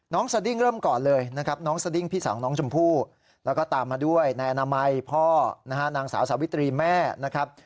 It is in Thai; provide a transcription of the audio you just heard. สดิ้งเริ่มก่อนเลยนะครับน้องสดิ้งพี่สาวน้องชมพู่แล้วก็ตามมาด้วยนายอนามัยพ่อนะฮะนางสาวสาวิตรีแม่นะครับ